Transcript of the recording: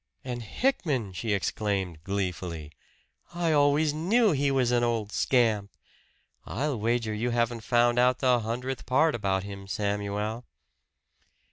"And Hickman!" she exclaimed gleefully. "I always knew he was an old scamp! I'll wager you haven't found out the hundredth part about him, Samuel!"